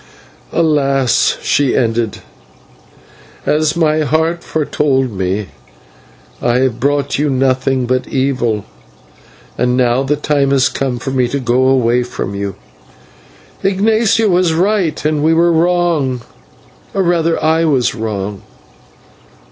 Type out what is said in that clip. "Alas!" she ended, "as my heart foretold me, I have brought you nothing but evil, and now the time has come for me to go away from you. Ignatio was right, and we were wrong or rather I was wrong.